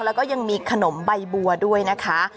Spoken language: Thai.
แล้วก็ยังมีขนมใบบัวด้วยนะคะ